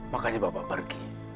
makanya bapak pergi